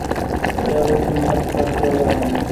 এভাবে তিনি সাতবার আসা-যাওয়া করেন।